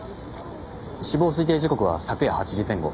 死亡推定時刻は昨夜８時前後。